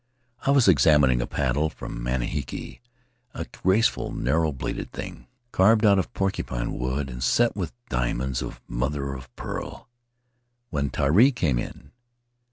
I was examining a paddle from Manihiki — a graceful, narrow bladed thing, carved out of porcupine wood and set with diamonds of mother of pearl — when Tari came in.